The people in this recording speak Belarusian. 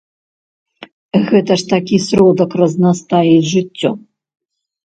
Гэта ж такі сродак разнастаіць жыццё.